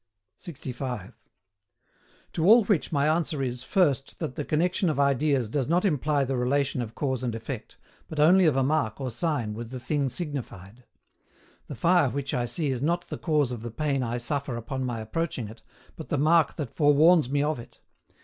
65. To all which my answer is, first, that the connexion of ideas does not imply the relation of cause and effect, but only of a mark or sign with the thing signified. The fire which I see is not the cause of the pain I suffer upon my approaching it, but the mark that forewarns me of it.